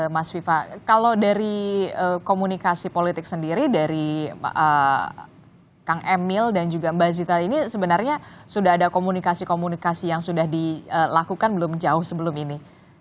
mas viva kalau dari komunikasi politik sendiri dari kang emil dan juga mbak zita ini sebenarnya sudah ada komunikasi komunikasi yang sudah dilakukan belum jauh sebelum ini